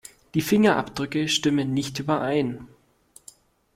Die Fingerabdrücke stimmen nicht überein.